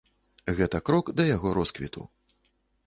Гэта крок да яго росквіту.